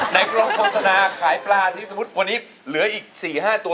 ในล้องโฟสนาขายปลาสมมติวันนี้เหลืออีก๔๕ตัว